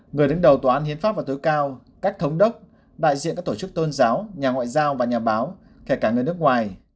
người đứng đầu tòa án hiến pháp và tối cao các thống đốc đại diện các tổ chức tôn giáo nhà ngoại giao và nhà báo kể cả người nước ngoài